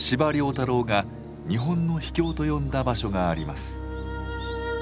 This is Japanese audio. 太郎が「日本の秘境」と呼んだ場所があります。